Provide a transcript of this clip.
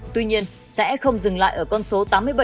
tuy nhiên sẽ không dừng lại ở con số tám mươi bảy